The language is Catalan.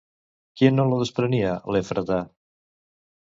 Quina olor desprenia l'Efrata?